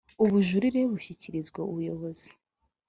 ubujurire bushyikirizwa ubuyobozi